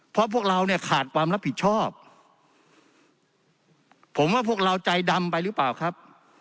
เพราะพวกเราเนี่ยขาดความรับผิดชอบผมว่าพวกเราใจดำไปหรือเปล่าครับ